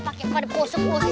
pakai pada boseng boseng